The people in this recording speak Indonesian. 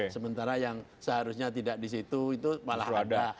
sementara yang seharusnya tidak di situ itu malah ada